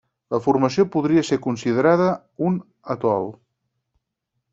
La formació podria ser considerada un atol.